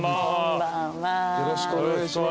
よろしくお願いします。